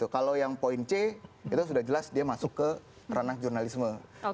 kalau yang poin c itu sudah jelas dia masuk ke ranah jurnalisme